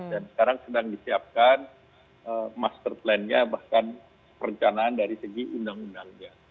dan sekarang sedang disiapkan master plan nya bahkan perencanaan dari segi undang undangnya